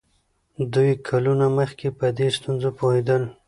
دوی کلونه مخکې په دې ستونزه پوهېدل.